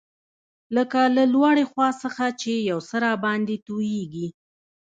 لکه له لوړې خوا څخه چي یو څه راباندي تویېږي.